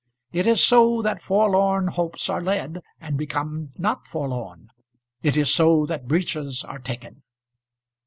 It is so that forlorn hopes are led, and become not forlorn; it is so that breaches are taken.